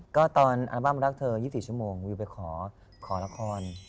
ก็ตอนอัลบั้มรักเธอ๒๔ชั่วโมงวิวไปขอละคร